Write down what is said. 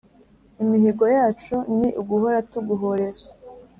Imihigo yacu ni uguhora tuguhorera